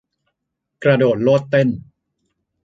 กระโดดโลดเต้น